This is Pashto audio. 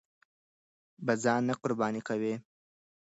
به ځان نه قرباني کوئ!